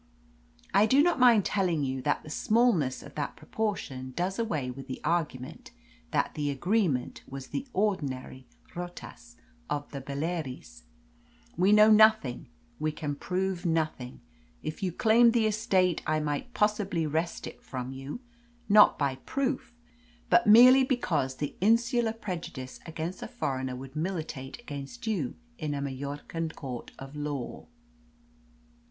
I do not mind telling you that the smallness of that proportion does away with the argument that the agreement was the ordinary 'rotas' of the Baleares. We know nothing we can prove nothing. If you claimed the estate I might possibly wrest it from you not by proof, but merely because the insular prejudice against a foreigner would militate against you in a Majorcan court of law.